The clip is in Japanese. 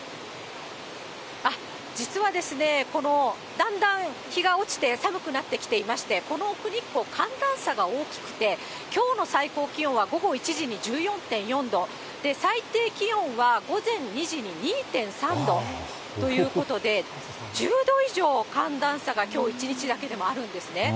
実はですね、だんだん日が落ちて寒くなってきていまして、この奥日光、寒暖差が大きくて、きょうの最高気温は午後１時に１４．４度、最低気温は、午前２時に２．３度ということで、１０度以上、寒暖差がきょう一日だけでもあるんですね。